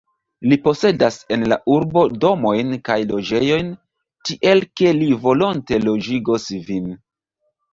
Li posedas en la urbo domojn kaj loĝejojn, tiel ke li volonte loĝigos vin.